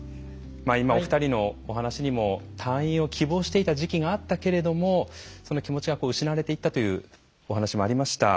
今お二人のお話にも退院を希望していた時期があったけれどもその気持ちが失われていったというお話もありました。